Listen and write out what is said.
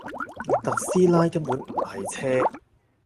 特斯拉根本唔係車